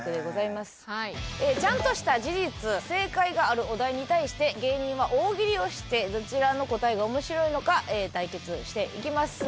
ちゃんとした事実正解があるお題に対して芸人は大喜利をしてどちらの答えが面白いのか対決していきます。